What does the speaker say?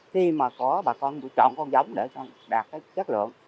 khi mà có bà con chọn con giống để đạt cái chất lượng